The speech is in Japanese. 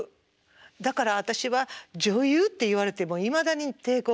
だから私は女優って言われてもいまだに抵抗がある。